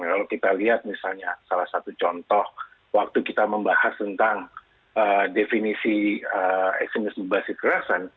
kalau kita lihat misalnya salah satu contoh waktu kita membahas tentang definisi ekstremisme basis kekerasan